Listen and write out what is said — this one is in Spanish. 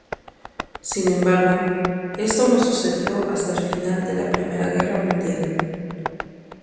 Sin embargo, esto no sucedió hasta el final de la Primera Guerra Mundial.